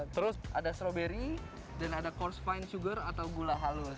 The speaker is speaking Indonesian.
terus ada stroberi dan ada course fine sugar atau gula halus